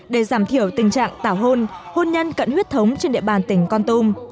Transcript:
để giảm thiểu tình trạng tảo hôn hôn nhân cận huyết thống trên địa bàn tỉnh con tum